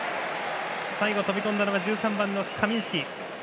最後飛び込んだのは１３番のカミンスキ。